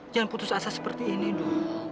jangan putus asa seperti ini dulu